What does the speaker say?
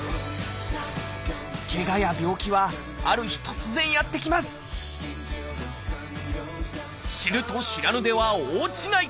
けがや病気はある日突然やって来ます知ると知らぬでは大違い。